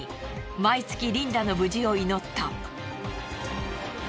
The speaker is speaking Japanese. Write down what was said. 毎月リンダの無事を祈った。